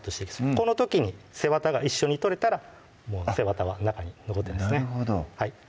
この時に背わたが一緒に取れたらもう背わたは中に残ってないですね